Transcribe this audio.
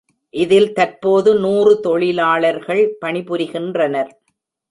இதில் தற்போது நூறு தொழிலாளர்கள் பணிபுரிகின்றனர்.